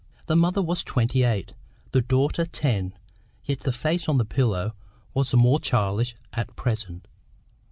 The mother was twenty eight, the daughter ten, yet the face on the pillow was the more childish at present.